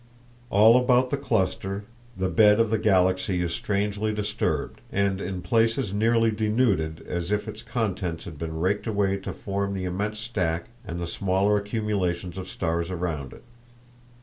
All about the cluster the bed of the Galaxy is strangely disturbed, and in places nearly denuded, as if its contents had been raked away to form the immense stack and the smaller accumulations of stars around it.